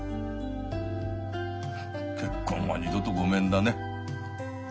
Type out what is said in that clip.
結婚は二度とごめんだね。